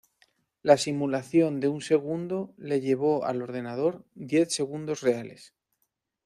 La simulación de un segundo le llevó al ordenador diez segundos reales.